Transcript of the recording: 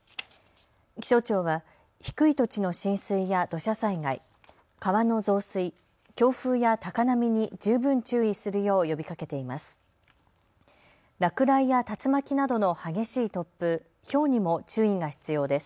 気象庁は低い土地の浸水や土砂災害、川の増水、強風や高波に十分注意するよう呼びかけています。